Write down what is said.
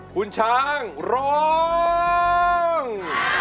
คุณช้างร้อง